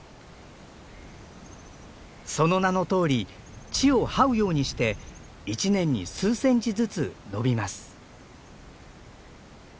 その名のとおり地をはうようにして一年に数センチずつ伸びます。